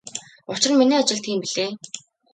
Учир нь миний ажил тийм билээ.